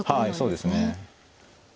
はいそうですね。